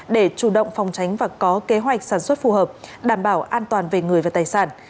để chủ động phòng tránh và có kế hoạch sản xuất phù hợp đảm bảo an toàn về người và tài sản